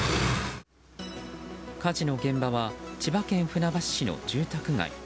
火事の現場は千葉県船橋市の住宅街。